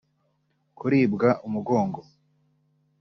kuribwa umugongo